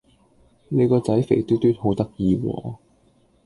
你個仔肥嘟嘟好得意喎